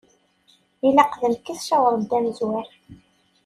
Ilaq d nekk i tcawṛeḍ d amezwar.